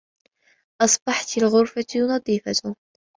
أَصْبَحَتِ الْغُرْفَةُ نَظِيفَةً.